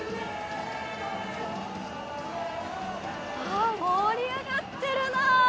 わぁ盛り上がってるな！